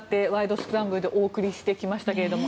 スクランブル」でお送りしてきました。